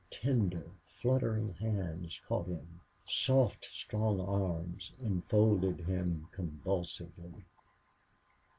Tender, fluttering hands caught him; soft strong arms enfolded him convulsively.